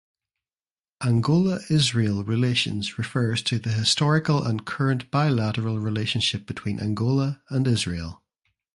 Angola–Israel relations refers to the historical and current bilateral relationship between Angola and Israel.